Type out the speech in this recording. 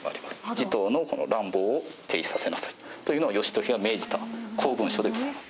地頭の乱暴を停止させなさいというのを義時が命じた公文書でございます。